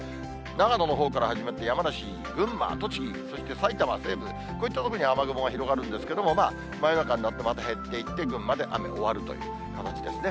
長野のほうから始まって、山梨、群馬、栃木、そして埼玉西部、こういった所に雨雲が広がるんですけれども、真夜中になって、また減っていって、群馬で雨終わるという感じですね。